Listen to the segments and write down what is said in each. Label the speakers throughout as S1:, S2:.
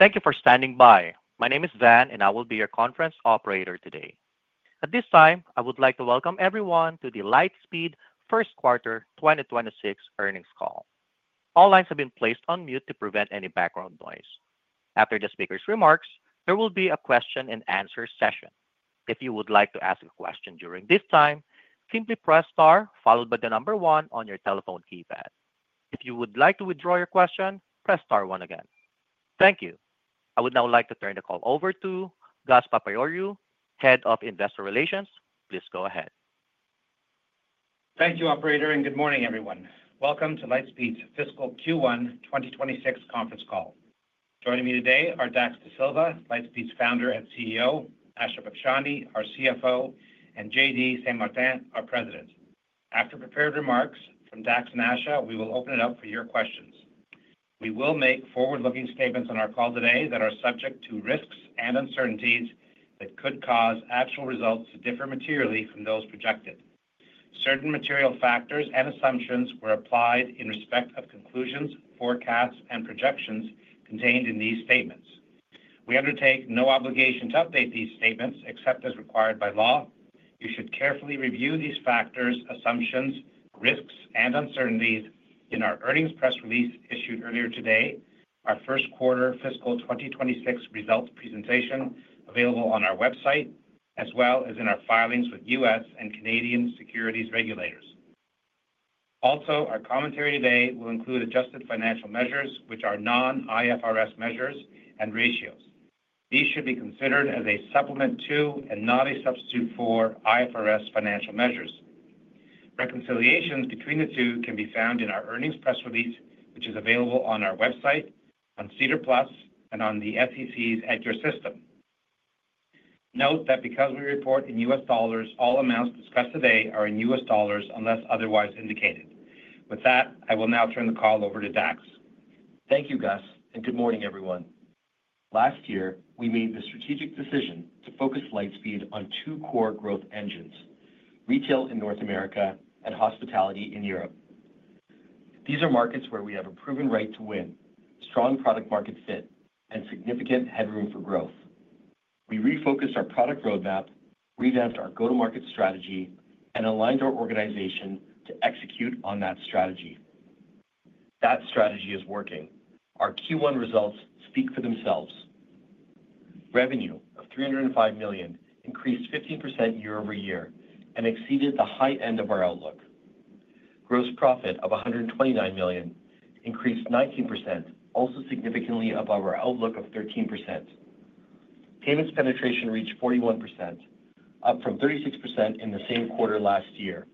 S1: Thank you for standing by. My name is Van, and I will be your conference operator today. At this time, I would like to welcome everyone to the Lightspeed first quarter 2026 earnings call. All lines have been placed on mute to prevent any background noise. After the speaker's remarks, there will be a question-and-answer session. If you would like to ask a question during this time, simply press star, followed by the number one on your telephone keypad. If you would like to withdraw your question, press star one again. Thank you. I would now like to turn the call over to Gus Papageorgiou, Head of Investor Relations. Please go ahead.
S2: Thank you, operator, and good morning, everyone. Welcome to Lightspeed's fiscal Q1 2026 conference call. Joining me today are Dax Dasilva, Lightspeed's Founder and CEO, Asha Bakshani, our CFO, and JD Saint-Martin, our President. After prepared remarks from Dax and Asha, we will open it up for your questions. We will make forward-looking statements on our call today that are subject to risks and uncertainties that could cause actual results to differ materially from those projected. Certain material factors and assumptions were applied in respect of conclusions, forecasts, and projections contained in these statements. We undertake no obligation to update these statements except as required by law. You should carefully review these factors, assumptions, risks, and uncertainties in our earnings press release issued earlier today, our first quarter fiscal 2026 results presentation, available on our website, as well as in our filings with U.S. and Canadian securities regulators. Also, our commentary today will include adjusted financial measures, which are non-IFRS measures, and ratios. These should be considered as a supplement to and not a substitute for IFRS financial measures. Reconciliations between the two can be found in our earnings press release, which is available on our website, on SEDAR+ and on the SEC's EDGAR system. Note that because we report in U.S. dollars, all amounts discussed today are in U.S. dollars unless otherwise indicated. With that, I will now turn the call over to Dax.
S3: Thank you, Gus, and good morning, everyone. Last year, we made the strategic decision to focus Lightspeed on two core growth engines: retail in North America and hospitality in Europe. These are markets where we have a proven right to win, strong product-market fit, and significant headroom for growth. We refocused our product roadmap, revamped our go-to-market strategy, and aligned our organization to execute on that strategy. That strategy is working. Our Q1 results speak for themselves. Revenue of $305 million increased 15% year-over-year and exceeded the high end of our outlook. Gross profit of $129 million increased 19%, also significantly above our outlook of 13%. Payments penetration reached 41%, up from 36% in the same quarter last year.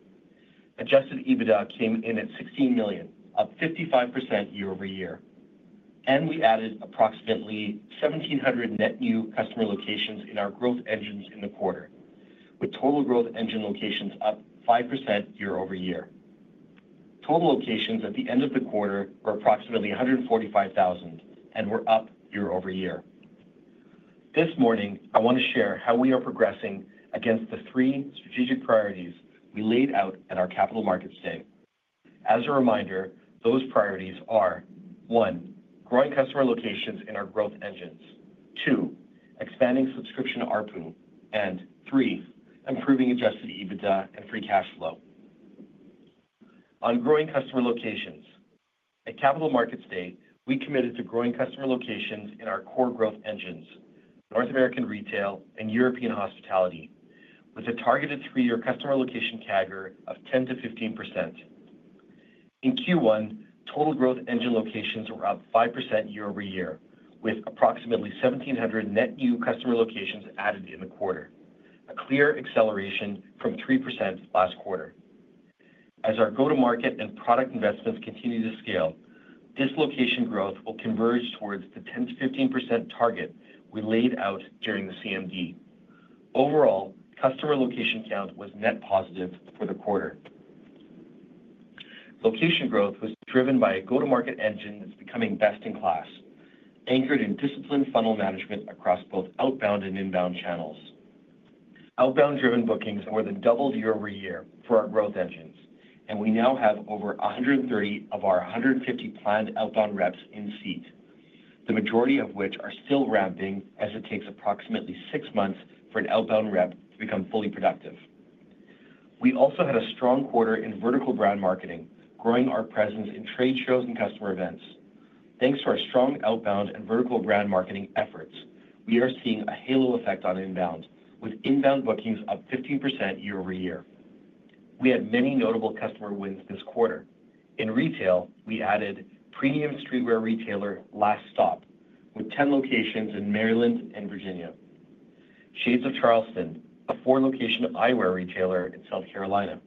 S3: Adjusted EBITDA came in at $16 million, up 55% year-over-year. We added approximately 1,700 net new customer locations in our growth engines in the quarter, with total growth engine locations up 5% year-over-year. Total locations at the end of the quarter were approximately 145,000 and were up year-over-year. This morning, I want to share how we are progressing against the three strategic priorities we laid out at our Capital Markets Day. As a reminder, those priorities are: one, growing customer locations in our growth engines; two, expanding subscription ARPU; and three, improving adjusted EBITDA and free cash flow. On growing customer locations, at Capital Markets Day, we committed to growing customer locations in our core growth engines, North American retail and European hospitality, with a targeted three-year customer location CAGR of 10%-15%. In Q1, total growth engine locations were up 5% year-over-year, with approximately 1,700 net new customer locations added in the quarter, a clear acceleration from 3% last quarter. As our go-to-market and product investments continue to scale, this location growth will converge towards the 10%-15% target we laid out during the CMD. Overall, customer location count was net positive for the quarter. Location growth was driven by a go-to-market engine that's becoming best-in-class, anchored in disciplined funnel management across both outbound and inbound channels. Outbound-driven bookings more than doubled year-over-year for our growth engines, and we now have over 130 of our 150 planned outbound reps in seat, the majority of which are still ramping, as it takes approximately six months for an outbound rep to become fully productive. We also had a strong quarter in vertical brand marketing, growing our presence in trade shows and customer events. Thanks to our strong outbound and vertical brand marketing efforts, we are seeing a halo effect on inbound, with inbound bookings up 15% year-over-year. We had many notable customer wins this quarter. In retail, we added premium streetwear retailer Last Stop, with 10 locations in Maryland and Virginia, and Shades of Charleston, a four-location eyewear retailer in South Carolina.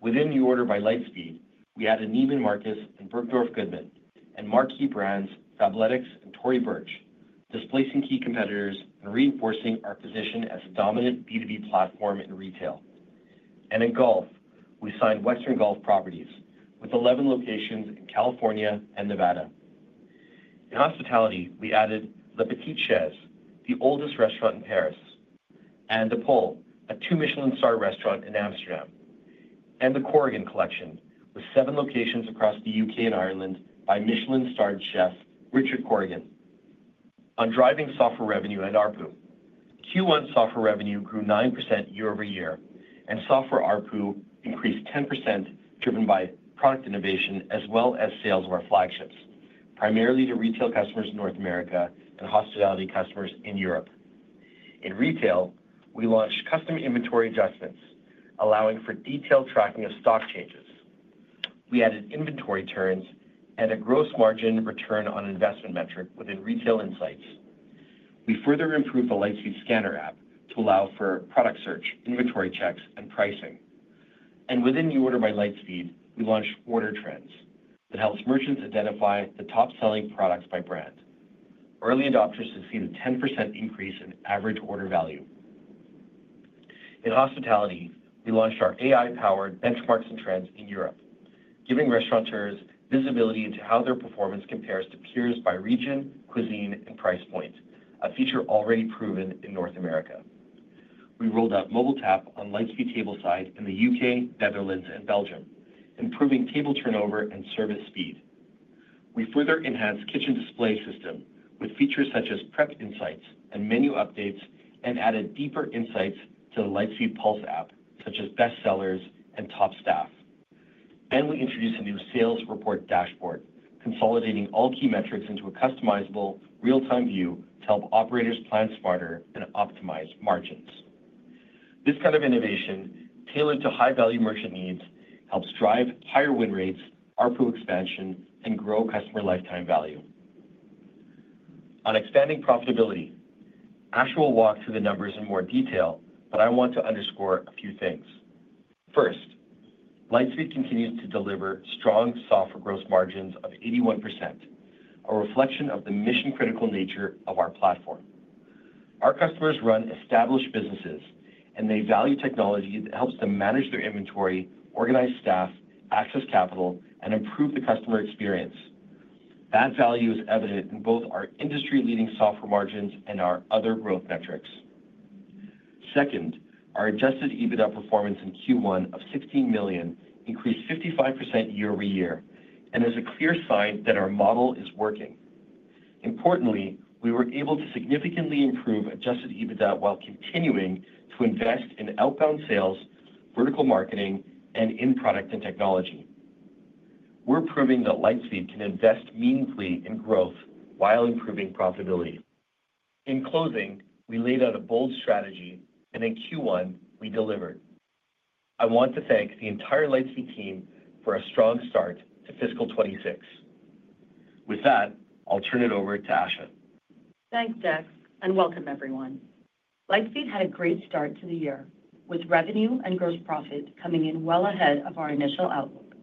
S3: Within NuORDER by Lightspeed, we added Neiman Marcus and Bergdorf Goodman, and marquee brands Fabletics and Tory Burch, displacing key competitors and reinforcing our position as a dominant B2B platform in retail. In golf, we signed Western Golf Properties, with 11 locations in California and Nevada. In hospitality, we added Le Petite Chaise, the oldest restaurant in Paris, Aan de Poel, a two-Michelin star restaurant in Amsterdam. The Corrigan Collection, with seven locations across the U.K. and Ireland by Michelin starred chef Richard Corrigan, was also added. On driving software revenue and ARPU, Q1 software revenue grew 9% year-over-year, and software ARPU increased 10%, driven by product innovation as well as sales of our flagships, primarily to retail customers in North America and hospitality customers in Europe. In retail, we launched custom inventory adjustments, allowing for detailed tracking of stock changes. We added inventory turns and a gross margin return on investment metric within Lightspeed Insights. We further improved the Lightspeed Scanner app to allow for product search, inventory checks, and pricing. Within NuORDER by Lightspeed, we launched Order Trends that helps merchants identify the top-selling products by brand. Early adopters have seen a 10% increase in average order value. In hospitality, we launched our AI-powered benchmarks and trends in Europe, giving restaurateurs visibility into how their performance compares to peers by region, cuisine, and price point, a feature already proven in North America. We rolled out Mobile Tap on Lightspeed Tableside in the U.K., Netherlands, and Belgium, improving table turnover and service speed. We further enhanced the Lightspeed Kitchen Display System with features such as prep insights and menu updates and added deeper insights to the Lightspeed Pulse app, such as bestsellers and top staff. We introduced a new sales report dashboard, consolidating all key metrics into a customizable real-time view to help operators plan smarter and optimize margins. This kind of innovation, tailored to high-value merchant needs, helps drive higher win rates, ARPU expansion, and grow customer lifetime value. On expanding profitability, Asha, we'll walk through the numbers in more detail, but I want to underscore a few things. First, Lightspeed continues to deliver strong software gross margins of 81%, a reflection of the mission-critical nature of our platform. Our customers run established businesses, and they value technology that helps them manage their inventory, organize staff, access capital, and improve the customer experience. That value is evident in both our industry-leading software margins and our other growth metrics. Second, our adjusted EBITDA performance in Q1 of $16 million increased 55% year-over-year and is a clear sign that our model is working. Importantly, we were able to significantly improve adjusted EBITDA while continuing to invest in outbound sales, vertical marketing, and in product and technology. We're proving that Lightspeed can invest meaningfully in growth while improving profitability. In closing, we laid out a bold strategy, and in Q1, we delivered. I want to thank the entire Lightspeed team for a strong start to fiscal 2026. With that, I'll turn it over to Asha.
S4: Thanks, Dax, and welcome, everyone. Lightspeed had a great start to the year, with revenue and gross profit coming in well ahead of our initial outlook,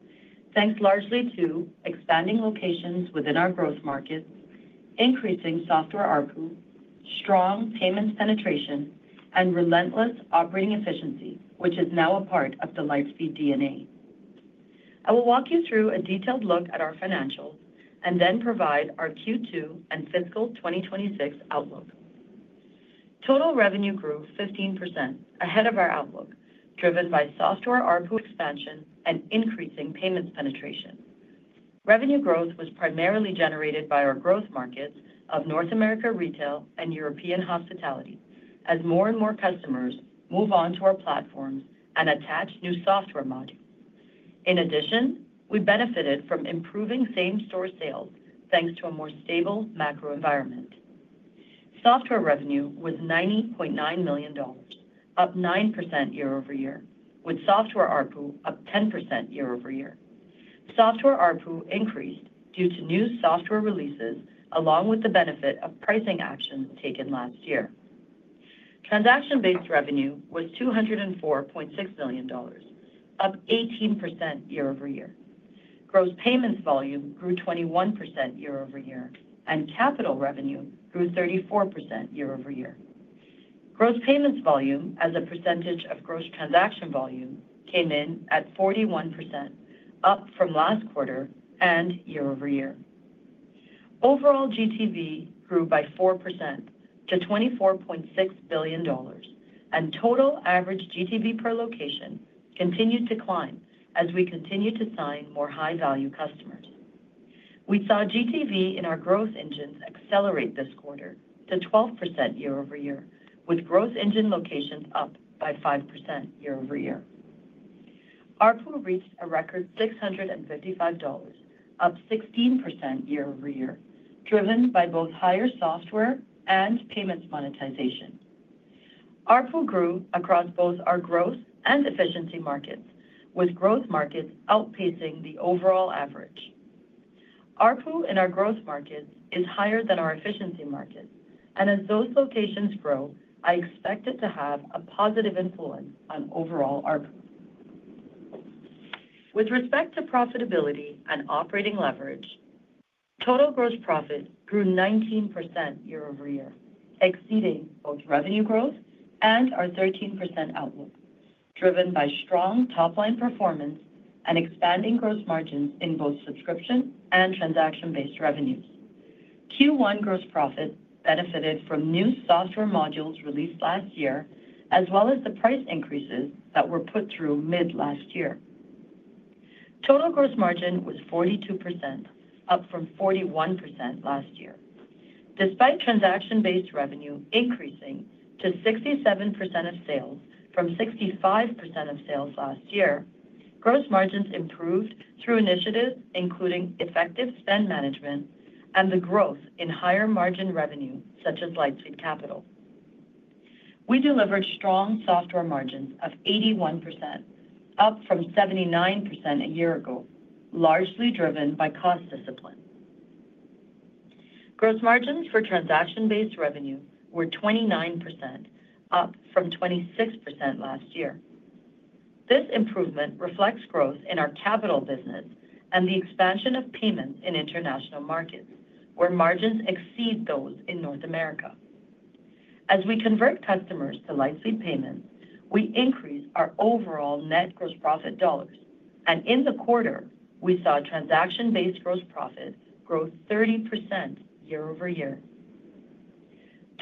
S4: thanks largely to expanding locations within our growth markets, increasing software ARPU, strong payments penetration, and relentless operating efficiency, which is now a part of the Lightspeed DNA. I will walk you through a detailed look at our financials and then provide our Q2 and fiscal 2026 outlook. Total revenue grew 15% ahead of our outlook, driven by software ARPU expansion and increasing payments penetration. Revenue growth was primarily generated by our growth markets of North America retail and European hospitality, as more and more customers move on to our platforms and attach new software modules. In addition, we benefited from improving same-store sales thanks to a more stable macro environment. Software revenue was $90.9 million, up 9% year-over-year, with software ARPU up 10% year-over-year. Software ARPU increased due to new software releases, along with the benefit of pricing actions taken last year. Transaction-based revenue was $204.6 million, up 18% year-over-year. Gross payments volume grew 21% year-over-year, and capital revenue grew 34% year-over-year. Gross payments volume, as a percentage of gross transaction volume, came in at 41%, up from last quarter and year-over-year. Overall GTV grew by 4% to $24.6 billion, and total average GTV per location continued to climb as we continued to sign more high-value customers. We saw GTV in our growth engines accelerate this quarter to 12% year-over-year, with growth engine locations up by 5% year-over-year. ARPU reached a record $655, up 16% year-over-year, driven by both higher software and payments monetization. ARPU grew across both our growth and efficiency markets, with growth markets outpacing the overall average. ARPU in our growth markets is higher than our efficiency markets, and as those locations grow, I expect it to have a positive influence on overall ARPU. With respect to profitability and operating leverage, total gross profit grew 19% year-over-year, exceeding both revenue growth and our 13% outlook, driven by strong top-line performance and expanding gross margins in both subscription and transaction-based revenues. Q1 gross profit benefited from new software modules released last year, as well as the price increases that were put through mid-last year. Total gross margin was 42%, up from 41% last year. Despite transaction-based revenue increasing to 67% of sales from 65% of sales last year, gross margins improved through initiatives including effective spend management and the growth in higher margin revenue, such as Lightspeed Capital. We delivered strong software margins of 81%, up from 79% a year ago, largely driven by cost discipline. Gross margins for transaction-based revenue were 29%, up from 26% last year. This improvement reflects growth in our capital business and the expansion of payments in international markets, where margins exceed those in North America. As we convert customers to Lightspeed Payments, we increase our overall net gross profit dollars, and in the quarter, we saw transaction-based gross profit grow 30% year-over-year.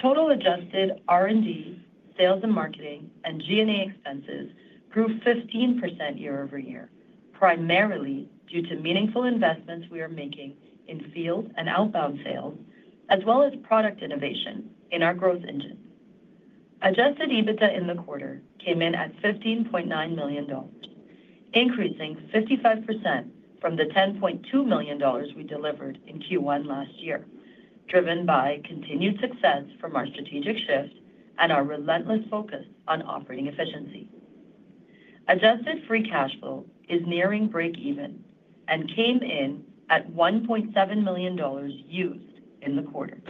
S4: Total adjusted R&D, sales and marketing, and G&A expenses grew 15% year-over-year, primarily due to meaningful investments we are making in field and outbound sales, as well as product innovation in our growth engines. Adjusted EBITDA in the quarter came in at $15.9 million, increasing 55% from the $10.2 million we delivered in Q1 last year, driven by continued success from our strategic shift and our relentless focus on operating efficiency. Adjusted free cash flow is nearing break-even and came in at $1.7 million used in the quarter.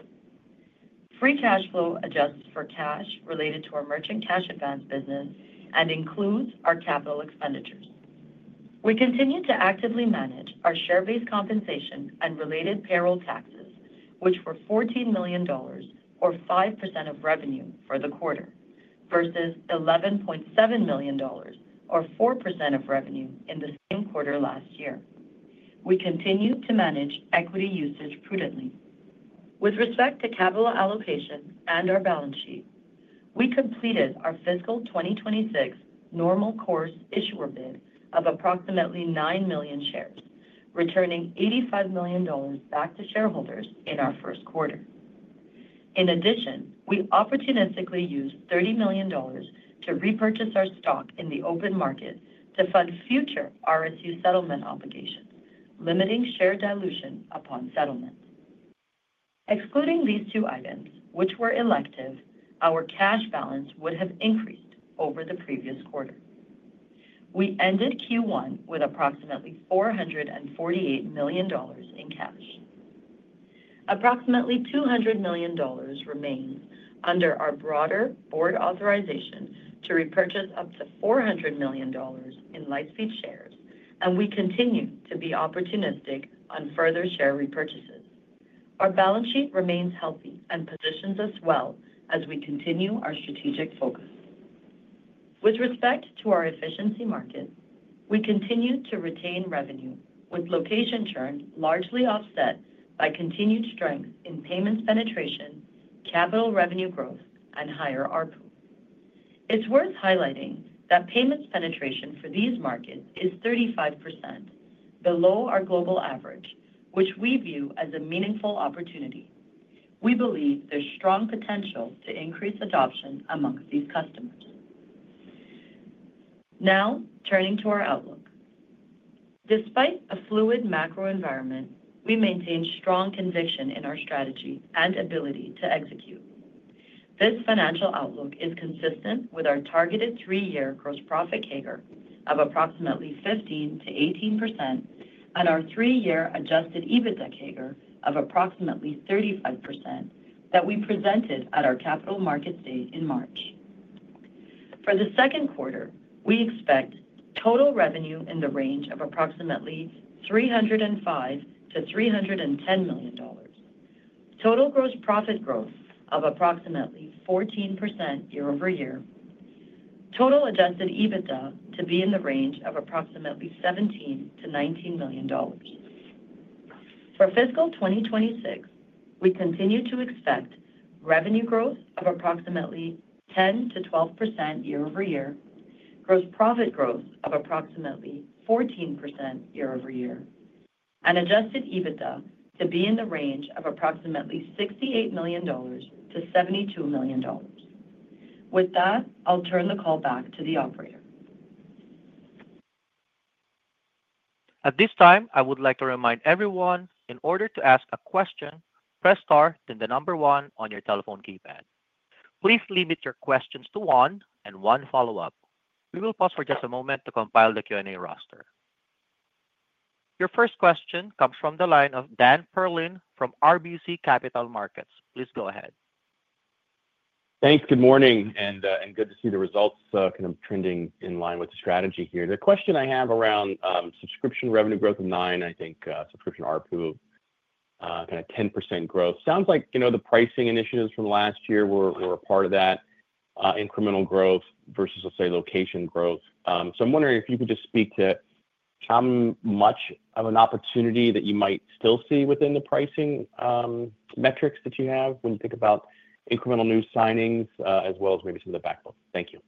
S4: Free cash flow adjusts for cash related to our merchant cash advance business and includes our capital expenditures. We continue to actively manage our share-based compensation and related payroll taxes, which were $14 million, or 5% of revenue for the quarter, versus $11.7 million, or 4% of revenue in the same quarter last year. We continue to manage equity usage prudently. With respect to capital allocation and our balance sheet, we completed our fiscal 2026 normal course issuer bid of approximately 9 million shares, returning $85 million back to shareholders in our first quarter. In addition, we opportunistically used $30 million to repurchase our stock in the open market to fund future RSU settlement obligations, limiting share dilution upon settlement. Excluding these two items, which were elective, our cash balance would have increased over the previous quarter. We ended Q1 with approximately $448 million in cash. Approximately $200 million remains under our broader board authorization to repurchase up to $400 million in Lightspeed shares, and we continue to be opportunistic on further share repurchases. Our balance sheet remains healthy and positions us well as we continue our strategic focus. With respect to our efficiency markets, we continue to retain revenue, with location churn largely offset by continued strength in payments penetration, capital revenue growth, and higher ARPU. It's worth highlighting that payments penetration for these markets is 35%, below our global average, which we view as a meaningful opportunity. We believe there's strong potential to increase adoption amongst these customers. Now, turning to our outlook. Despite a fluid macro environment, we maintain strong conviction in our strategy and ability to execute. This financial outlook is consistent with our targeted three-year gross profit CAGR of approximately 15%-18% and our three-year adjusted EBITDA CAGR of approximately 35% that we presented at our Capital Markets Day in March. For the second quarter, we expect total revenue in the range of approximately $305 million-$310 million, total gross profit growth of approximately 14% year-over-year, total adjusted EBITDA to be in the range of approximately $17 million to $19 million. For fiscal 2026, we continue to expect revenue growth of approximately 10%-12% year-over-year, gross profit growth of approximately 14% year-over-year, and adjusted EBITDA to be in the range of approximately $68 million-$72 million. With that, I'll turn the call back to the operator.
S1: At this time, I would like to remind everyone, in order to ask a question, press star then the number one on your telephone keypad. Please limit your questions to one and one follow-up. We will pause for just a moment to compile the Q&A roster. Your first question comes from the line of Dan Perlin from RBC Capital Markets. Please go ahead.
S5: Thanks. Good morning, and good to see the results kind of trending in line with the strategy here. The question I have around subscription revenue growth of 9%, I think subscription ARPU kind of 10% growth. Sounds like the pricing initiatives from last year were a part of that incremental growth versus, let's say, location growth. I'm wondering if you could just speak to how much of an opportunity that you might still see within the pricing metrics that you have when you think about incremental new signings, as well as maybe some of the backlog. Thank you.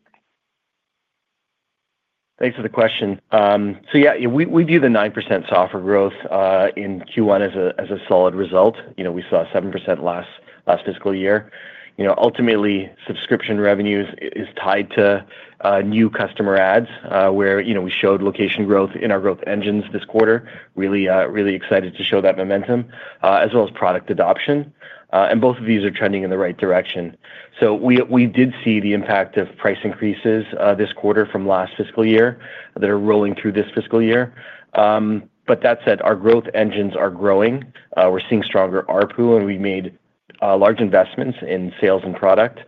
S3: Thanks for the question. Yeah, we view the 9% software growth in Q1 as a solid result. We saw 7% last fiscal year. Ultimately, subscription revenues are tied to new customer ads, where we showed location growth in our growth engines this quarter. Really, really excited to show that momentum, as well as product adoption. Both of these are trending in the right direction. We did see the impact of price increases this quarter from last fiscal year that are rolling through this fiscal year. That said, our growth engines are growing. We're seeing stronger ARPU, and we made large investments in sales and product.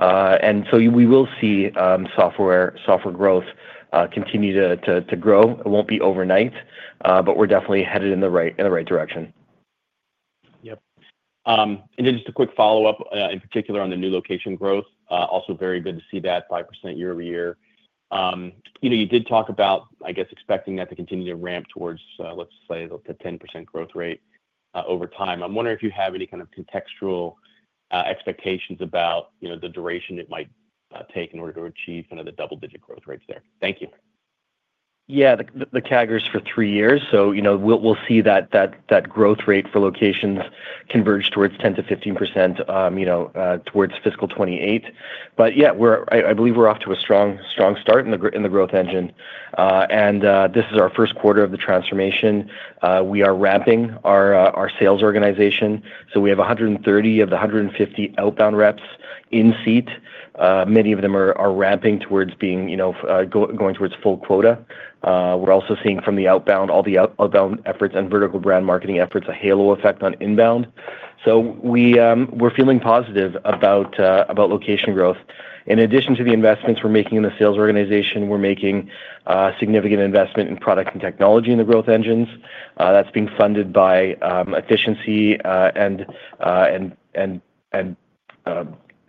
S3: We will see software growth continue to grow. It won't be overnight, but we're definitely headed in the right direction.
S5: Yep. Just a quick follow-up, in particular on the new location growth. Also very good to see that 5% year-over-year. You did talk about, I guess, expecting that to continue to ramp towards, let's say, the 10% growth rate over time. I'm wondering if you have any kind of contextual expectations about the duration it might take in order to achieve kind of the double-digit growth rates there. Thank you.
S3: Yeah, the CAGR is for three years. You know we'll see that growth rate for locations converge towards 10%-15% towards Fiscal 2028. Yeah, I believe we're off to a strong start in the growth engine. This is our first quarter of the transformation. We are ramping our sales organization. We have 130 of the 150 outbound reps in seat. Many of them are ramping towards going towards full quota. We're also seeing from the outbound, all the outbound efforts and vertical brand marketing efforts, a halo effect on inbound. We're feeling positive about location growth. In addition to the investments we're making in the sales organization, we're making a significant investment in product and technology in the growth engines. That's being funded by efficiency and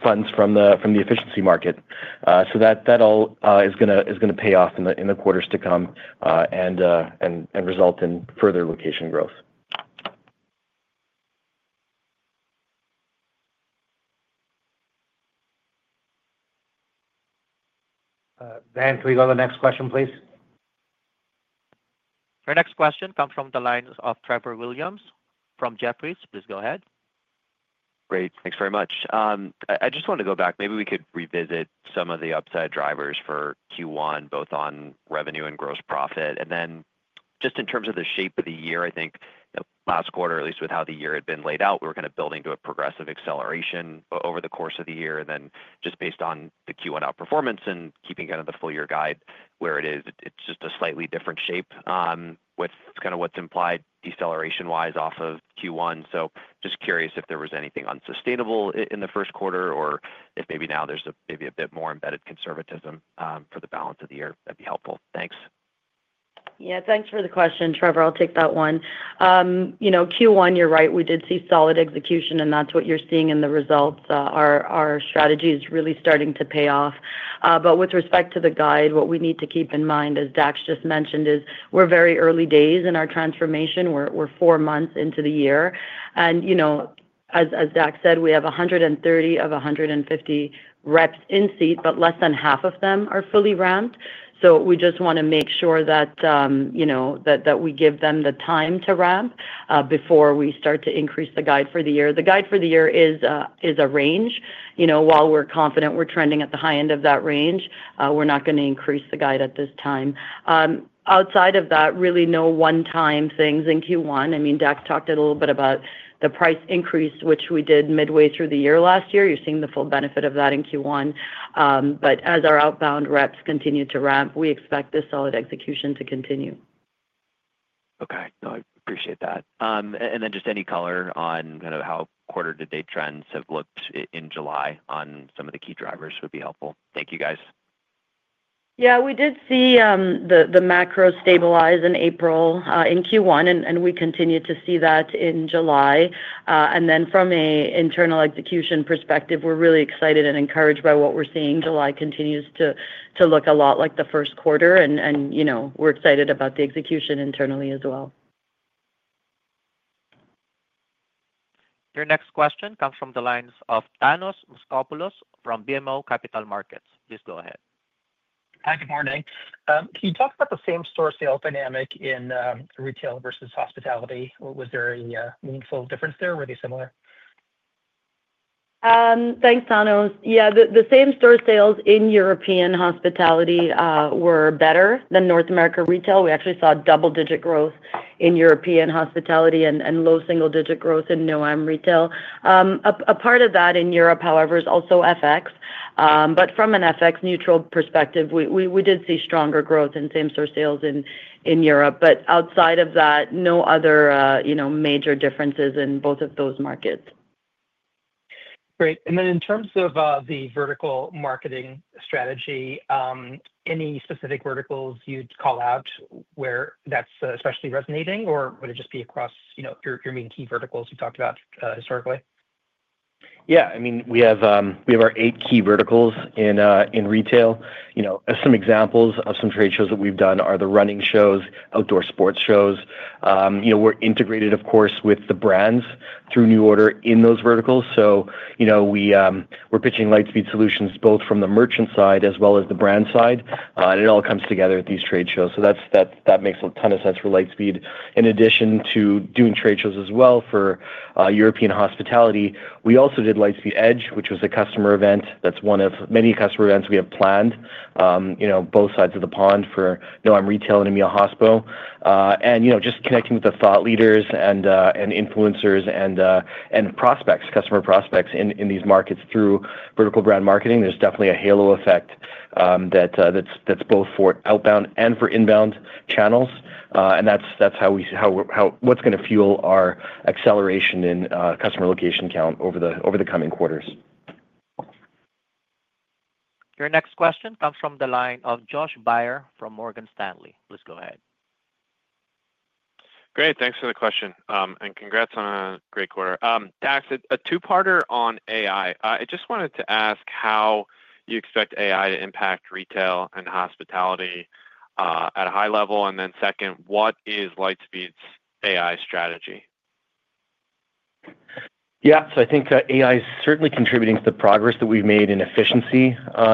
S3: funds from the efficiency market. That all is going to pay off in the quarters to come and result in further location growth.
S2: Van, can we go to the next question, please?
S1: Our next question comes from the line of Trevor Williams from Jefferies. Please go ahead.
S6: Great, thanks very much. I just wanted to go back. Maybe we could revisit some of the upside drivers for Q1, both on revenue and gross profit. In terms of the shape of the year, I think last quarter, at least with how the year had been laid out, we were kind of building to a progressive acceleration over the course of the year. Just based on the Q1 outperformance and keeping kind of the full-year guide where it is, it's just a slightly different shape with kind of what's implied deceleration-wise off of Q1. I'm just curious if there was anything unsustainable in the first quarter or if maybe now there's a bit more embedded conservatism for the balance of the year. That'd be helpful. Thanks.
S4: Yeah, thanks for the question, Trevor. I'll take that one. You know, Q1, you're right, we did see solid execution, and that's what you're seeing in the results. Our strategy is really starting to pay off. With respect to the guide, what we need to keep in mind, as Dax just mentioned, is we're very early days in our transformation. We're four months into the year. As Dax said, we have 130 of 150 reps in seat, but less than half of them are fully ramped. We just want to make sure that we give them the time to ramp before we start to increase the guide for the year. The guide for the year is a range. While we're confident we're trending at the high end of that range, we're not going to increase the guide at this time. Outside of that, really no one-time things in Q1. Dax talked a little bit about the price increase, which we did midway through the year last year. You're seeing the full benefit of that in Q1. As our outbound reps continue to ramp, we expect this solid execution to continue.
S6: Ok, I appreciate that. Any color on kind of how quarter-to-date trends have looked in July on some of the key drivers would be helpful. Thank you, guys.
S4: Yeah, we did see the macro stabilize in April in Q1, and we continue to see that in July. From an internal execution perspective, we're really excited and encouraged by what we're seeing. July continues to look a lot like the first quarter, and you know, we're excited about the execution internally as well.
S1: Your next question comes from the lines of Thanos Moschopoulos from BMO Capital Markets. Please go ahead.
S7: Thank you for having me. Can you talk about the same store sales dynamic in retail versus hospitality? Was there a meaningful difference there? Were they similar?
S4: Thanks, Thanos. Yeah, the same-store sales in European hospitality were better than North American retail. We actually saw double-digit growth in European hospitality and low single-digit growth in North American retail. A part of that in Europe, however, is also FX. From an FX-neutral perspective, we did see stronger growth in same-store sales in Europe. Outside of that, no other major differences in both of those markets.
S7: Great. In terms of the vertical marketing strategy, any specific verticals you'd call out where that's especially resonating, or would it just be across your main key verticals you've talked about historically?
S3: Yeah, I mean, we have our eight key verticals in retail. Some examples of some trade shows that we've done are the running shows, outdoor sports shows. We're integrated, of course, with the brands through NuORDER in those verticals. We're pitching Lightspeed Solutions both from the merchant side as well as the brand side, and it all comes together at these trade shows. That makes a ton of sense for Lightspeed. In addition to doing trade shows as well for European hospitality, we also did Lightspeed Edge, which was a customer event. That's one of many customer events we have planned, both sides of the pond for North American retail and European hospitality. Just connecting with the thought leaders and influencers and prospects, customer prospects in these markets through vertical brand marketing, there's definitely a halo effect that's both for outbound and for inbound channels. That's what's going to fuel our acceleration in customer location count over the coming quarters.
S1: Your next question comes from the line of Josh Baer from Morgan Stanley. Please go ahead.
S8: Great, thanks for the question. Congrats on a great quarter. Dax, a two-parter on AI. I just wanted to ask how you expect AI to impact retail and hospitality at a high level. Second, what is Lightspeed's AI strategy?
S3: Yeah, so I think AI is certainly contributing to the progress that we've made in efficiency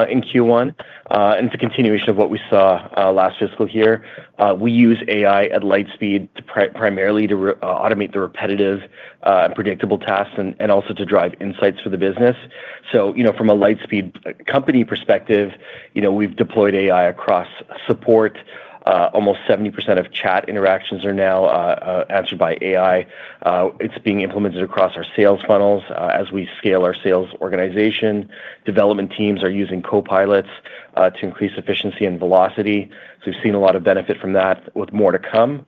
S3: in Q1. It's a continuation of what we saw last fiscal year. We use AI at Lightspeed primarily to automate the repetitive and predictable tasks and also to drive insights for the business. From a Lightspeed company perspective, we've deployed AI across support. Almost 70% of chat interactions are now answered by AI. It's being implemented across our sales funnels. As we scale our sales organization, development teams are using copilots to increase efficiency and velocity. We've seen a lot of benefit from that, with more to come.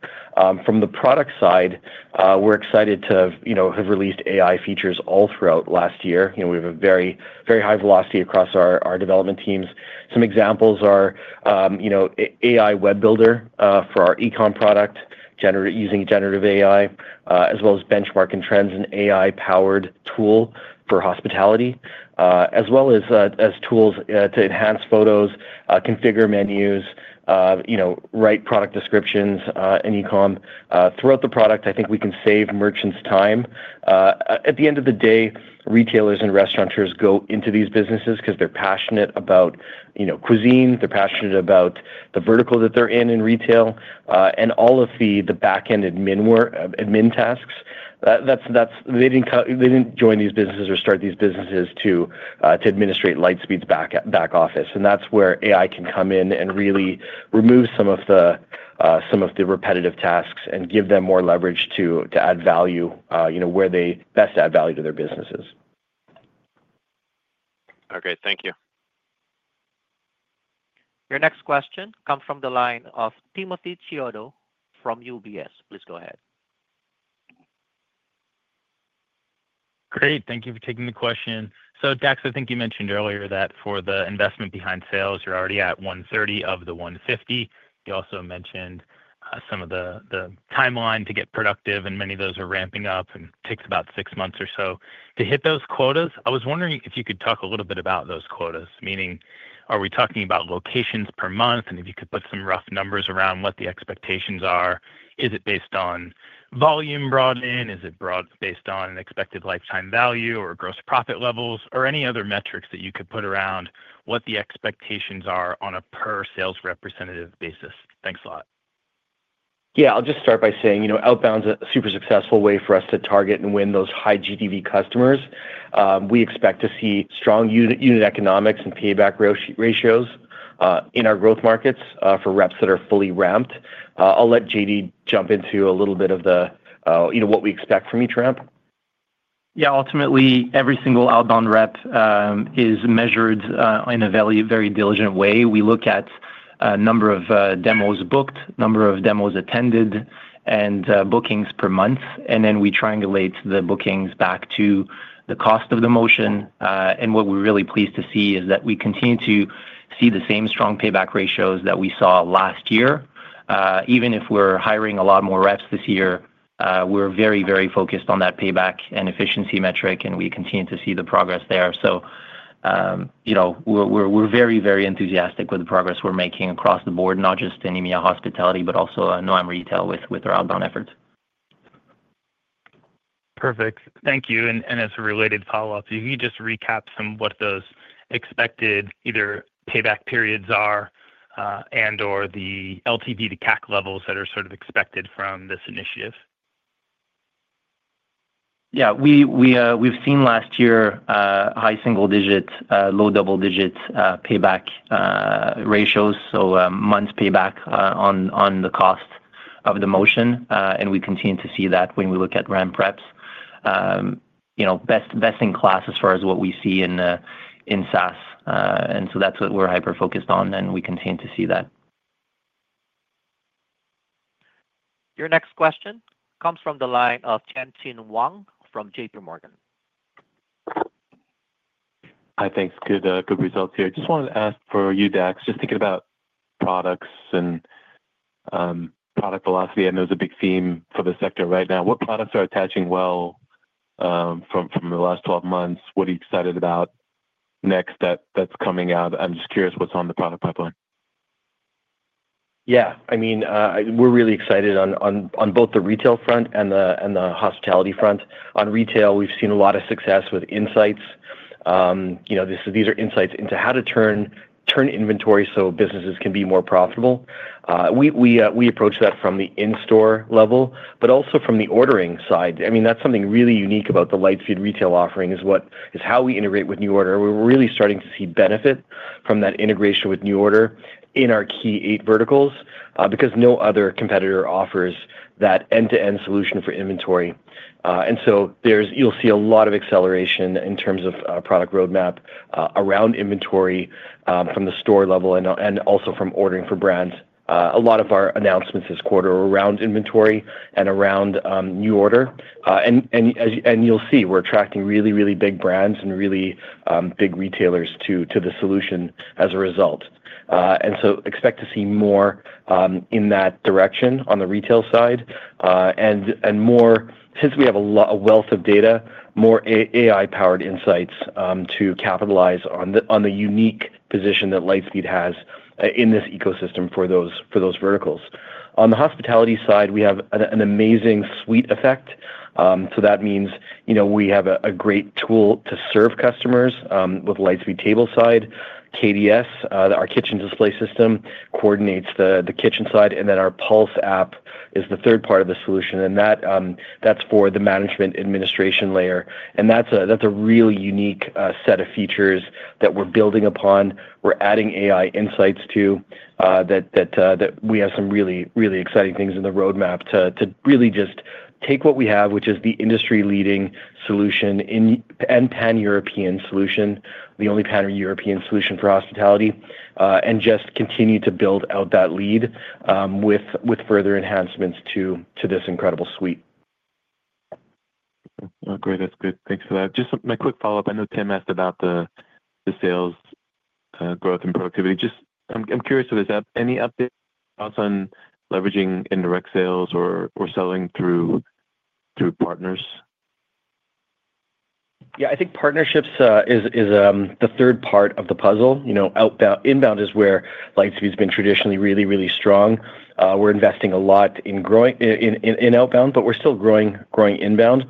S3: From the product side, we're excited to have released AI features all throughout last year. We have a very high velocity across our development teams. Some examples are AI Web Builder for our e-com product, using generative AI, as well as AI-powered benchmarks and trends for hospitality, as well as tools to enhance photos, configure menus, and write product descriptions in e-com. Throughout the product, I think we can save merchants time. At the end of the day, retailers and restaurateurs go into these businesses because they're passionate about cuisine, they're passionate about the vertical that they're in in retail, and all of the back-end admin tasks. They didn't join these businesses or start these businesses to administrate Lightspeed's back office. That's where AI can come in and really remove some of the repetitive tasks and give them more leverage to add value where they best add value to their businesses.
S8: Ok, thank you.
S1: Your next question comes from the line of Timothy Chiodo from UBS. Please go ahead.
S9: Great, thank you for taking the question. Dax, I think you mentioned earlier that for the investment behind sales, you're already at 130 of the 150. You also mentioned some of the timeline to get productive, and many of those are ramping up and it takes about six months or so to hit those quotas. I was wondering if you could talk a little bit about those quotas, meaning are we talking about locations per month? If you could put some rough numbers around what the expectations are, is it based on volume brought in? Is it based on an expected lifetime value or gross profit levels, or any other metrics that you could put around what the expectations are on a per sales representative basis? Thanks a lot.
S3: Yeah, I'll just start by saying, you know, outbound is a super successful way for us to target and win those high GTV customers. We expect to see strong unit economics and payback ratios in our growth markets for reps that are fully ramped. I'll let JD jump into a little bit of what we expect from each ramp.
S10: Ultimately, every single outbound rep is measured in a very diligent way. We look at a number of demos booked, a number of demos attended, and bookings per month. We triangulate the bookings back to the cost of the motion. What we're really pleased to see is that we continue to see the same strong payback ratios that we saw last year. Even if we're hiring a lot more reps this year, we're very, very focused on that payback and efficiency metric, and we continue to see the progress there. We're very, very enthusiastic with the progress we're making across the board, not just in EMEA hospitality, but also North American retail with our outbound efforts.
S9: Perfect, thank you. If you could just recap some of what those expected either payback periods are and/or the LTV to CAC levels that are sort of expected from this initiative.
S10: Yeah, we've seen last year high single digits, low double digits payback ratios, months payback on the cost of the motion. We continue to see that when we look at ramp reps. Best in class as far as what we see in SaaS, and that's what we're hyper-focused on. We continue to see that.
S1: Your next question comes from the line of Tien-Tsin Wong from JPMorgan.
S11: Hi, thanks. Good results here. I just wanted to ask for you, Dax, just thinking about products and product velocity. I know it's a big theme for the sector right now. What products are attaching well from the last 12 months? What are you excited about next that's coming out? I'm just curious what's on the product pipeline.
S3: Yeah, I mean, we're really excited on both the retail front and the hospitality front. On retail, we've seen a lot of success with insights. These are insights into how to turn inventory so businesses can be more profitable. We approach that from the in-store level, but also from the ordering side. I mean, that's something really unique about the Lightspeed Retail offering is how we integrate with NuORDER. We're really starting to see benefit from that integration withNuORDER in our key eight verticals because no other competitor offers that end-to-end solution for inventory. You'll see a lot of acceleration in terms of product roadmap around inventory from the store level and also from ordering for brands. A lot of our announcements this quarter are around inventory and around NuORDER. You'll see we're attracting really, really big brands and really big retailers to the solution as a result. Expect to see more in that direction on the retail side. Since we have a wealth of data, more AI-powered insights to capitalize on the unique position that Lightspeed has in this ecosystem for those verticals. On the hospitality side, we have an amazing suite effect. That means we have a great tool to serve customers with Lightspeed Tableside. KDS, our Lightspeed Kitchen Display System, coordinates the kitchen side. Then our Pulse app is the third part of the solution, and that's for the management administration layer. That's a really unique set of features that we're building upon. We're adding AI insights to that. We have some really, really exciting things in the roadmap to really just take what we have, which is the industry-leading solution and Pan-European solution, the only Pan-European solution for hospitality, and just continue to build out that lead with further enhancements to this incredible suite.
S11: Great, that's good. Thanks for that. Just my quick follow-up. I know Tim asked about the sales growth and productivity. I'm curious of this. Any updates, thoughts on leveraging indirect sales or selling through partners?
S3: Yeah, I think partnerships is the third part of the puzzle. You know, inbound is where Lightspeed's been traditionally really, really strong. We're investing a lot in outbound, but we're still growing inbound.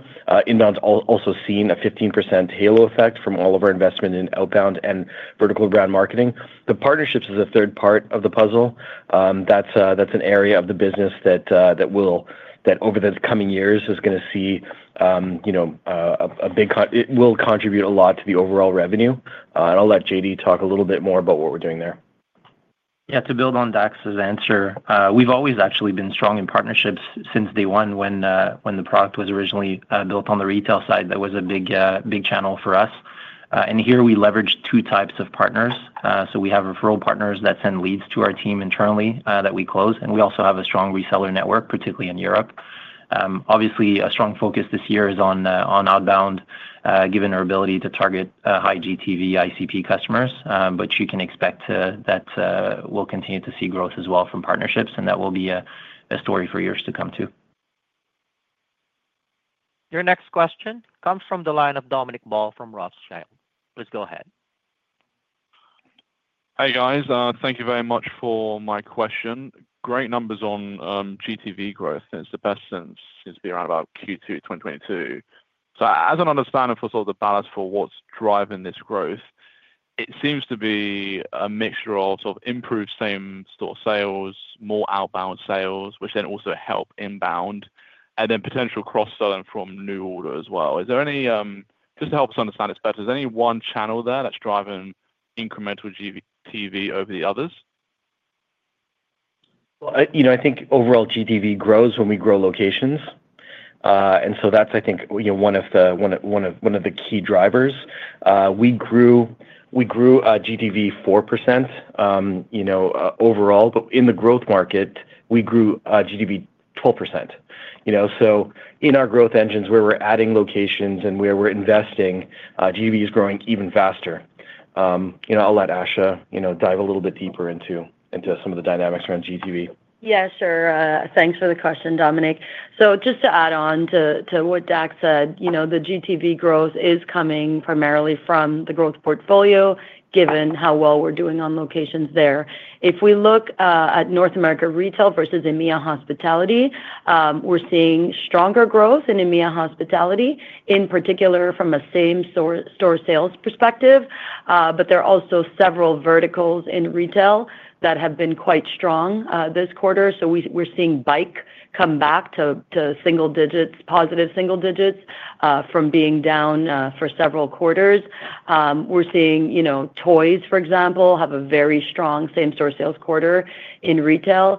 S3: Inbound's also seen a 15% halo effect from all of our investment in outbound and vertical brand marketing. Partnerships is the third part of the puzzle. That's an area of the business that over the coming years is going to see a big contribution to the overall revenue. I'll let JD talk a little bit more about what we're doing there.
S10: Yeah, to build on Dax's answer, we've always actually been strong in partnerships since day one when the product was originally built on the retail side. That was a big channel for us. Here we leverage two types of partners. We have referral partners that send leads to our team internally that we close. We also have a strong reseller network, particularly in Europe. Obviously, a strong focus this year is on outbound, given our ability to target high GTV/ICP customers. You can expect that we'll continue to see growth as well from partnerships. That will be a story for years to come too.
S1: Your next question comes from the line of Dominic Ball from Rothschild. Please go ahead.
S12: Hi guys, thank you very much for my question. Great numbers on GTV growth. It's the best since around about Q2 2022. As an understanding for the balance for what's driving this growth, it seems to be a mixture of improved same-store sales, more outbound sales, which then also help inbound, and then potential cross-selling fromNuORDER as well. Just to help us understand this better, is there any one channel there that's driving incremental GTV over the others?
S3: I think overall GTV grows when we grow locations, and that's, I think, one of the key drivers. We grew GTV 4% overall, but in the growth market, we grew GTV 12%. In our growth engines, where we're adding locations and where we're investing, GTV is growing even faster. I'll let Asha dive a little bit deeper into some of the dynamics around GTV.
S4: Yeah, sure. Thanks for the question, Dominic. Just to add on to what Dax said, the GTV growth is coming primarily from the growth portfolio, given how well we're doing on locations there. If we look at North America retail versus EMEA hospitality, we're seeing stronger growth in EMEA hospitality, in particular from a same-store sales perspective. There are also several verticals in retail that have been quite strong this quarter. We're seeing bike come back to single digits, positive single digits from being down for several quarters. We're seeing toys, for example, have a very strong same-store sales quarter in retail.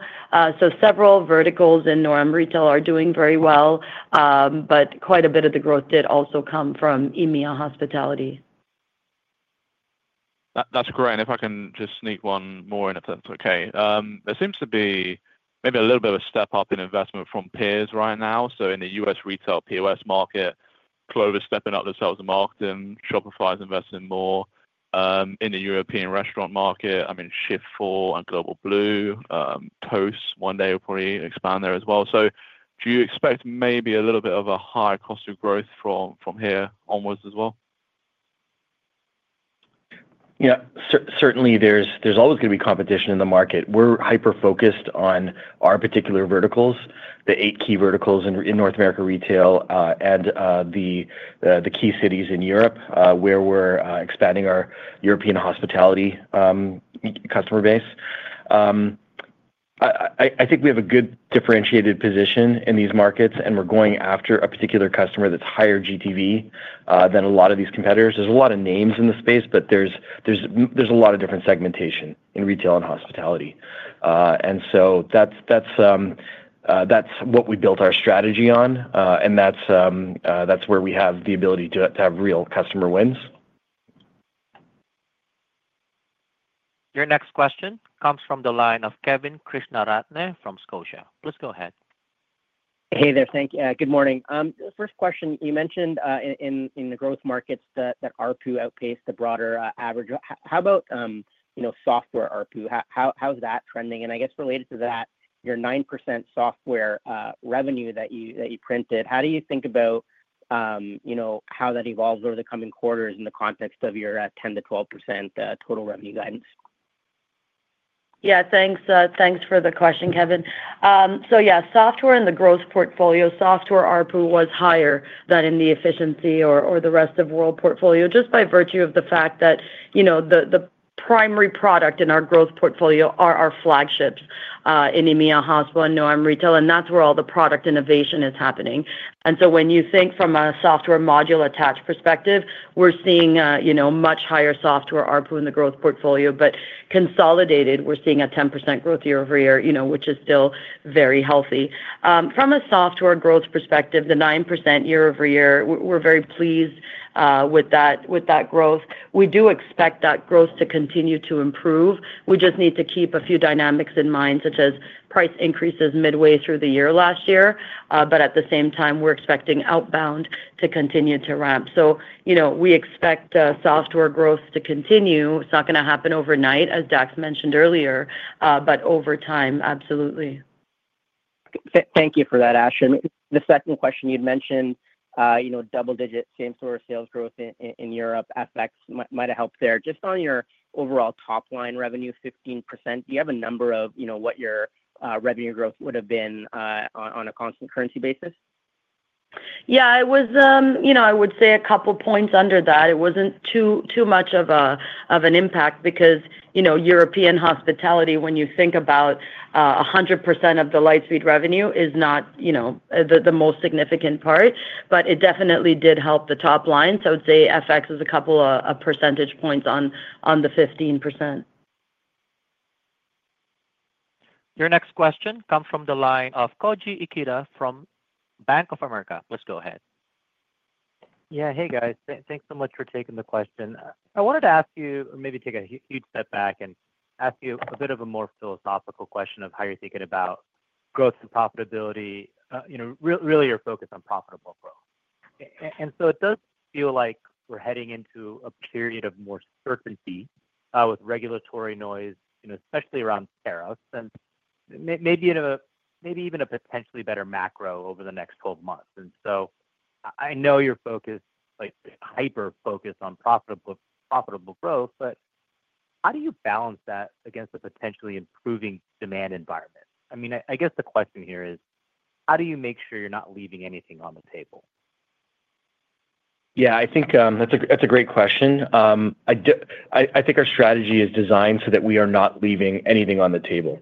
S4: Several verticals in North American retail are doing very well. Quite a bit of the growth did also come from EMEA hospitality.
S12: That's great. If I can just sneak one more in, if that's ok. There seems to be maybe a little bit of a step up in investment from peers right now. In the U.S. retail POS market, Clover is stepping up themselves in marketing. Shopify is investing more in the European restaurant market. I mean, Shift4 and Global Blue, Toast, one day hopefully expand there as well. Do you expect maybe a little bit of a higher cost of growth from here onwards as well?
S3: Yeah, certainly there's always going to be competition in the market. We're hyper-focused on our particular verticals, the eight key verticals in North American retail and the key cities in Europe where we're expanding our European hospitality customer base. I think we have a good differentiated position in these markets. We're going after a particular customer that's higher GTV than a lot of these competitors. There's a lot of names in the space, but there's a lot of different segmentation in retail and hospitality. That's what we built our strategy on, and that's where we have the ability to have real customer wins.
S1: Your next question comes from the line of Kevin Krishnaratne from Scotia. Please go ahead.
S13: Hey there, thank you. Good morning. First question, you mentioned in the growth markets that ARPU outpaced the broader average. How about software ARPU? How's that trending? I guess related to that, your 9% software revenue that you printed, how do you think about how that evolves over the coming quarters in the context of your 10%-12% total revenue guidance?
S4: Yeah, thanks for the question, Kevin. Software in the growth portfolio, software ARPU was higher than in the efficiency or the rest of the world portfolio, just by virtue of the fact that the primary product in our growth portfolio are our flagships in EMEA hospitality and North American retail. That's where all the product innovation is happening. When you think from a software module attached perspective, we're seeing much higher software ARPU in the growth portfolio. Consolidated, we're seeing a 10% growth year-over-year, which is still very healthy. From a software growth perspective, the 9% year-over-year, we're very pleased with that growth. We do expect that growth to continue to improve. We just need to keep a few dynamics in mind, such as price increases midway through the year last year. At the same time, we're expecting outbound to continue to ramp. We expect software growth to continue. It's not going to happen overnight, as Dax mentioned earlier, but over time, absolutely.
S13: Thank you for that, Asha. The second question you'd mentioned, double-digit same-store sales growth in Europe might have helped there. Just on your overall top-line revenue, 15%, do you have a number of what your revenue growth would have been on a constant currency basis?
S4: Yeah, I would say a couple of points under that. It wasn't too much of an impact because European hospitality, when you think about 100% of the Lightspeed revenue, is not the most significant part. It definitely did help the top line. I would say FX is a couple of percentage points on the 15%.
S1: Your next question comes from the line of Koji Ikeda from Bank of America. Please go ahead.
S14: Yeah, hey guys, thanks so much for taking the question. I wanted to ask you, maybe take a huge step back and ask you a bit of a more philosophical question of how you're thinking about growth and profitability, really your focus on profitable growth. It does feel like we're heading into a period of more certainty with regulatory noise, especially around tariffs, and maybe even a potentially better macro over the next 12 months. I know you're hyper-focused on profitable growth, but how do you balance that against a potentially improving demand environment? I guess the question here is, how do you make sure you're not leaving anything on the table?
S3: Yeah, I think that's a great question. I think our strategy is designed so that we are not leaving anything on the table.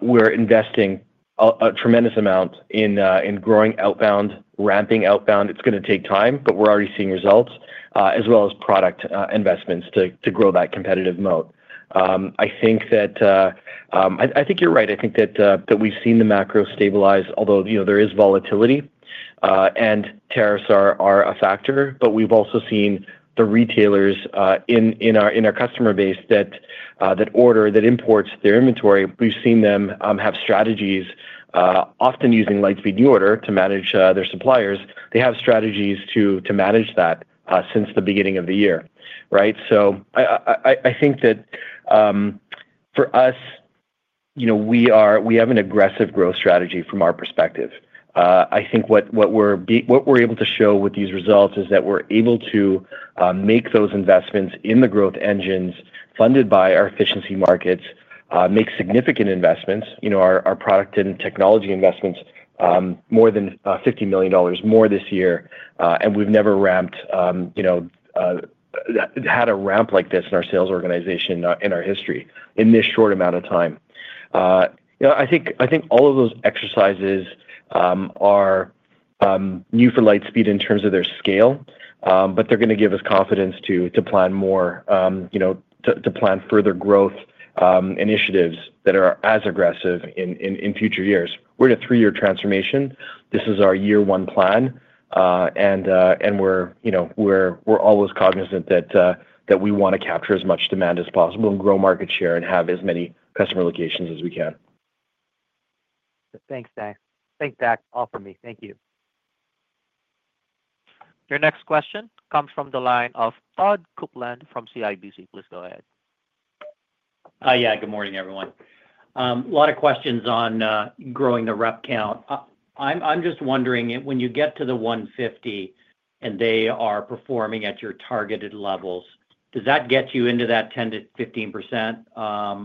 S3: We're investing a tremendous amount in growing outbound, ramping outbound. It's going to take time, but we're already seeing results, as well as product investments to grow that competitive moat. I think you're right. I think that we've seen the macro stabilize, although there is volatility, and tariffs are a factor. We've also seen the retailers in our customer base that order, that import their inventory. We've seen them have strategies, often using Lightspeed NuORDER to manage their suppliers. They have strategies to manage that since the beginning of the year. I think that for us, we have an aggressive growth strategy from our perspective. What we're able to show with these results is that we're able to make those investments in the growth engines funded by our efficiency markets, make significant investments, our product and technology investments more than $50 million more this year. We've never had a ramp like this in our sales organization in our history in this short amount of time. I think all of those exercises are new for Lightspeed in terms of their scale, but they're going to give us confidence to plan further growth initiatives that are as aggressive in future years. We're in a three-year transformation. This is our year-one plan. We're always cognizant that we want to capture as much demand as possible and grow market share and have as many customer locations as we can.
S14: Thanks, Dax. That's all for me. Thank you.
S1: Your next question comes from the line of Todd Coupland from CIBC. Please go ahead.
S15: Good morning, everyone. A lot of questions on growing the rep count. I'm just wondering, when you get to the 150 and they are performing at your targeted levels, does that get you into that 10%-15%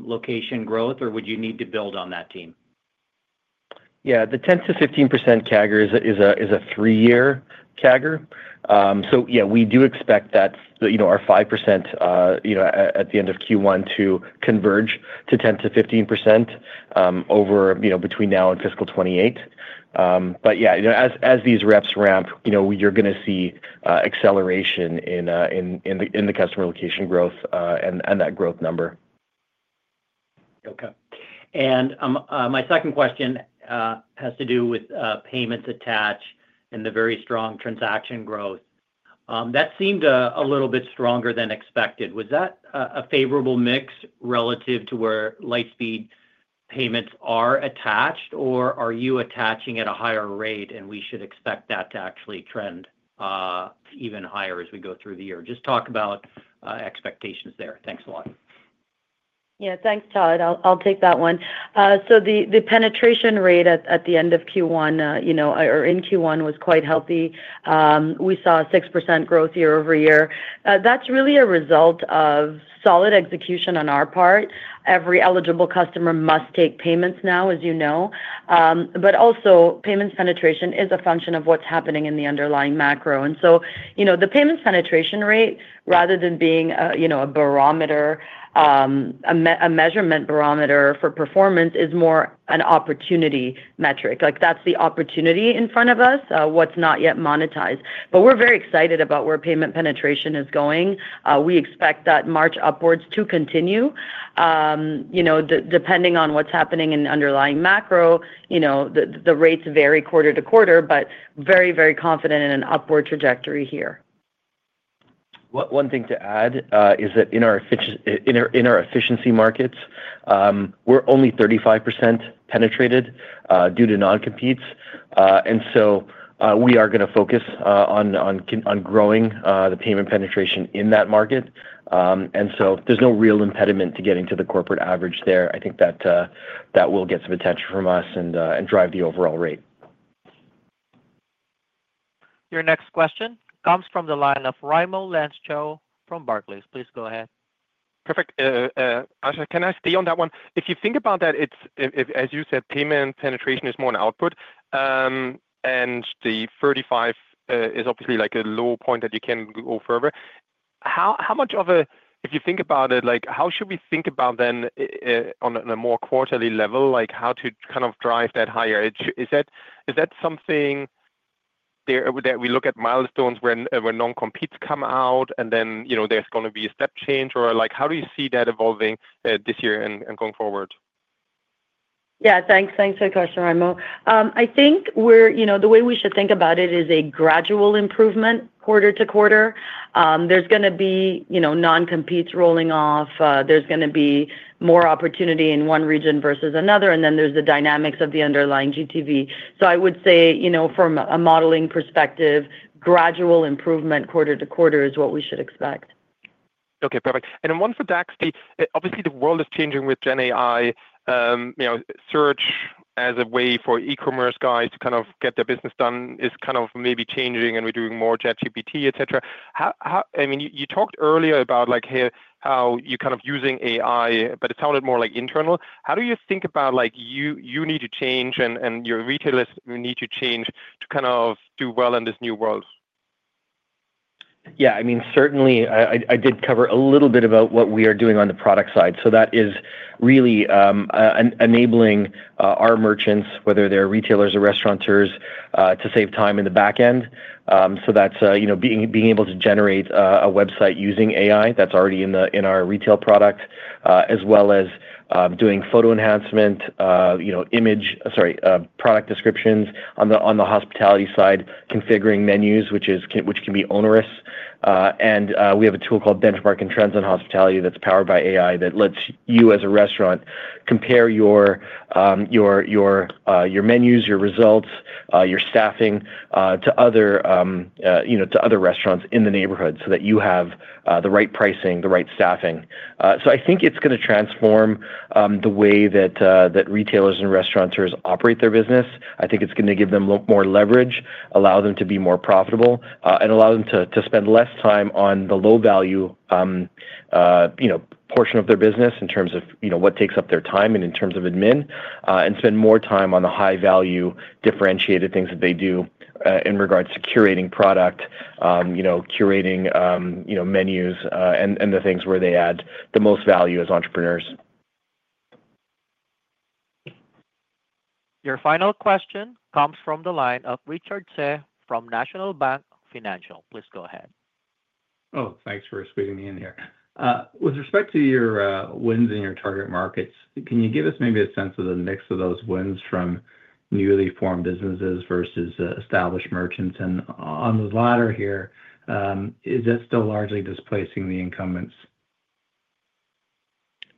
S15: location growth, or would you need to build on that team?
S3: Yeah, the 10%-15% CAGR is a three-year CAGR. Yeah, we do expect that our 5% at the end of Q1 to converge to 10%-15% between now and Fiscal 2028. As these reps ramp, you're going to see acceleration in the customer location growth and that growth number.
S15: Ok. My second question has to do with payments attached and the very strong transaction growth. That seemed a little bit stronger than expected. Was that a favorable mix relative to where Lightspeed Payments are attached? Are you attaching at a higher rate and should we expect that to actually trend even higher as we go through the year? Just talk about expectations there. Thanks a lot.
S4: Yeah, thanks, Todd. I'll take that one. The penetration rate at the end of Q1 or in Q1 was quite healthy. We saw 6% growth year-over-year. That's really a result of solid execution on our part. Every eligible customer must take payments now, as you know. Payments penetration is a function of what's happening in the underlying macro. The payments penetration rate, rather than being a measurement barometer for performance, is more an opportunity metric. That's the opportunity in front of us, what's not yet monetized. We're very excited about where payment penetration is going. We expect that march upwards to continue. Depending on what's happening in the underlying macro, the rates vary quarter to quarter, but very, very confident in an upward trajectory here.
S3: One thing to add is that in our efficiency markets, we're only 35% penetrated due to non-competes. We are going to focus on growing the payment penetration in that market. There's no real impediment to getting to the corporate average there. I think that will get some attention from us and drive the overall rate.
S1: Your next question comes from the line of Raimo Lenschow from Barclays. Please go ahead.
S16: Perfect. Asha, can I stay on that one? If you think about that, as you said, payments penetration is more an output. The 35% is obviously like a low point that you can go further. How much of a, if you think about it, how should we think about then on a more quarterly level, like how to kind of drive that higher edge? Is that something that we look at milestones when non-competes come out, and then there's going to be a step change? How do you see that evolving this year and going forward?
S4: Yeah, thanks for the question, Raimo. I think the way we should think about it is a gradual improvement quarter to quarter. There are going to be non-competes rolling off. There is going to be more opportunity in one region versus another. There are the dynamics of the underlying GTV. I would say, from a modeling perspective, gradual improvement quarter to quarter is what we should expect.
S16: Okay, perfect. One for Dax, obviously, the world is changing with GenAI. Search as a way for e-commerce guys to kind of get their business done is kind of maybe changing, and we're doing more ChatGPT, et cetera. I mean, you talked earlier about how you're kind of using AI, but it sounded more like internal. How do you think about you need to change and your retailers need to change to kind of do well in this new world?
S3: Yeah, I mean, certainly I did cover a little bit about what we are doing on the product side. That is really enabling our merchants, whether they're retailers or restaurateurs, to save time in the back end. That's being able to generate a website using AI that's already in our retail product, as well as doing photo enhancement, product descriptions on the hospitality side, configuring menus, which can be onerous. We have a tool called Benchmarks & Trends on hospitality that's powered by AI that lets you, as a restaurant, compare your menus, your results, your staffing to other restaurants in the neighborhood so that you have the right pricing, the right staffing. I think it's going to transform the way that retailers and restaurateurs operate their business. I think it's going to give them more leverage, allow them to be more profitable, and allow them to spend less time on the low-value portion of their business in terms of what takes up their time and in terms of admin, and spend more time on the high-value, differentiated things that they do in regards to curating product, curating menus, and the things where they add the most value as entrepreneurs.
S1: Your final question comes from the line of Richard Tse from National Bank Financial. Please go ahead.
S17: Thanks for squeezing me in here. With respect to your wins in your target markets, can you give us maybe a sense of the mix of those wins from newly formed businesses versus established merchants? On the latter here, is that still largely displacing the incumbents?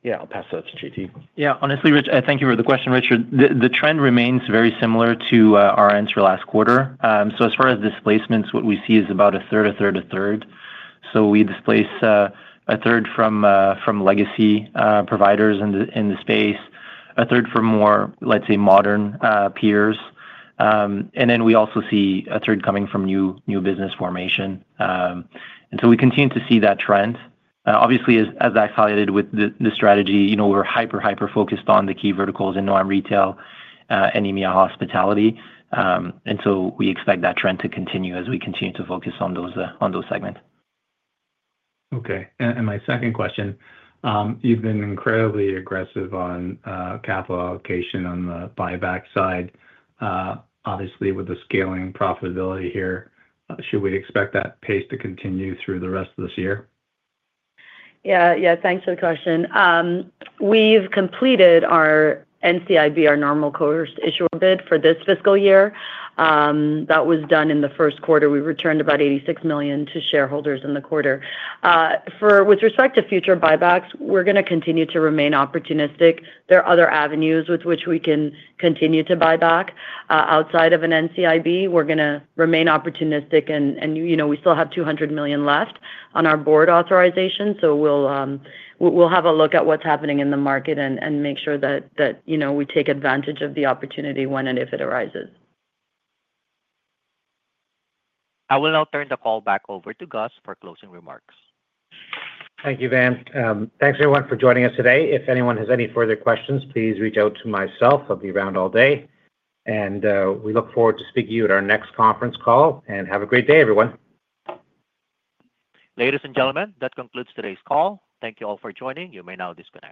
S5: Yeah, I'll pass that to JD Saint-Martin.
S10: Yeah, honestly, thank you for the question, Richard. The trend remains very similar to our answer last quarter. As far as displacements, what we see is about 1/3, 1/3, 1/3. We displace 1/3 from legacy providers in the space, 1/3 from more, let's say, modern peers, and then we also see 1/3 coming from new business formation. We continue to see that trend. Obviously, as Dax highlighted with the strategy, we're hyper, hyper-focused on the key verticals in North American retail and EMEA hospitality. We expect that trend to continue as we continue to focus on those segments.
S17: Ok. My second question, you've been incredibly aggressive on capital allocation on the buyback side. Obviously, with the scaling profitability here, should we expect that pace to continue through the rest of this year?
S4: Yeah, thanks for the question. We've completed our NCIB, our normal course issuer bid, for this fiscal year. That was done in the first quarter. We returned about $86 million to shareholders in the quarter. With respect to future buybacks, we're going to continue to remain opportunistic. There are other avenues with which we can continue to buy back. Outside of an NCIB, we're going to remain opportunistic. We still have $200 million left on our board authorization. We'll have a look at what's happening in the market and make sure that we take advantage of the opportunity when and if it arises.
S1: I will now turn the call back over to Gus for closing remarks.
S2: Thank you, Van. Thanks, everyone, for joining us today. If anyone has any further questions, please reach out to myself. I'll be around all day. We look forward to speaking to you at our next conference call. Have a great day, everyone.
S1: Ladies and gentlemen, that concludes today's call. Thank you all for joining. You may now disconnect.